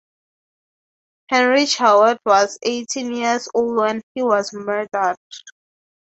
Henry Choate was eighteen years old when he was murdered.